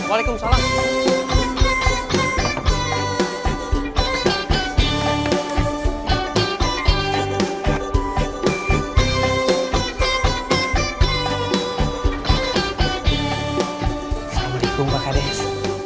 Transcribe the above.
assalamu'alaikum pak hardes